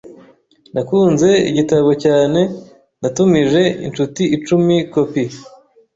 Nakunze igitabo cyane natumije inshuti icumi kopi.